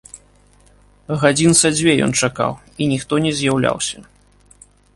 Гадзін са дзве ён чакаў, і ніхто не з'яўляўся.